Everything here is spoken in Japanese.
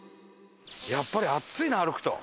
やっぱり暑いな歩くと。